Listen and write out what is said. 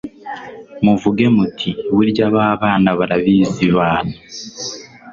Muvuge muti burya ba bana barabizi baana